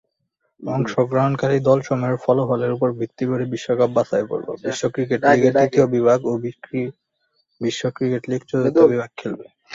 অংশগ্রহণকারী দলসমূহের ফলাফলের উপর ভিত্তি করে বিশ্বকাপ বাছাইপর্ব, বিশ্ব ক্রিকেট লীগ তৃতীয় বিভাগ ও বিশ্ব ক্রিকেট লীগ চতুর্থ বিভাগ খেলবে।